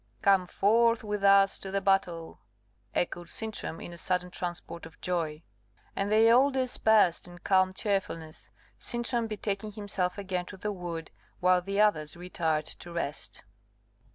"Come forth with us to the battle," echoed Sintram in a sudden transport of joy. And they all dispersed in calm cheerfulness; Sintram betaking himself again to the wood, while the others retired to rest.